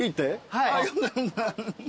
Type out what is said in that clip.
はい。